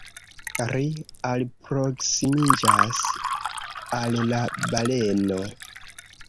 Ri alproksimiĝas al la baleno.